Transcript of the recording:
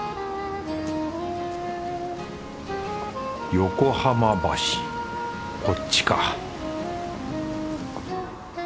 横浜橋こっちか